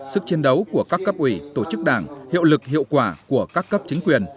sức chiến đấu của các cấp ủy tổ chức đảng hiệu lực hiệu quả của các cấp chính quyền